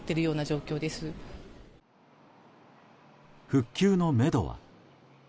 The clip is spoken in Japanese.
復旧のめどは。